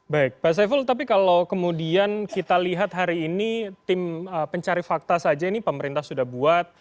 baik pak saiful tapi kalau kemudian kita lihat hari ini tim pencari fakta saja ini pemerintah sudah buat